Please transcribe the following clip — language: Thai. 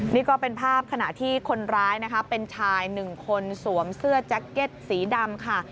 นี่ก็เป็นภาพขณะที่คนร้ายนะคะเป็นชายหนึ่งคนสวมเสื้อแจ็คเก็ตสีดำค่ะ